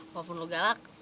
walaupun lu galak